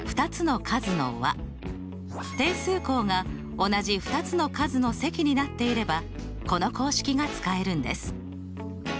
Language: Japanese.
定数項が同じ２つの数の積になっていればこの公式が使えるんです。